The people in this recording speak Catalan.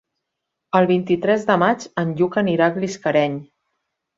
El vint-i-tres de maig en Lluc anirà a Gisclareny.